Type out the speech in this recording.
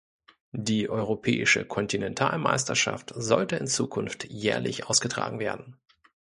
Die europäische Kontinentalmeisterschaft sollte in Zukunft jährlich ausgetragen werden.